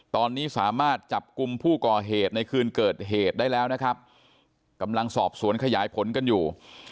ตอนนี้สามารถจับกลุ่มผู้ก่อเหตุในคืนเกิดเหตุได้แล้วนะครับกำลังสอบสวนขยายผลกันอยู่